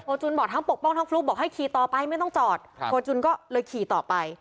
จุนบอกทั้งปกป้องทั้งฟลุ๊กบอกให้ขี่ต่อไปไม่ต้องจอดโฟจุนก็เลยขี่ต่อไป